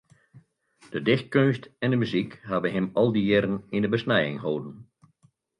De dichtkeunst en de muzyk hawwe him al dy jierren yn de besnijing holden.